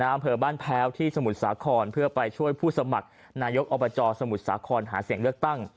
อำเภอบ้านแพ้วที่สมุทรสาครเพื่อไปช่วยผู้สมัครนายกอบจสมุทรสาครหาเสียงเลือกตั้ง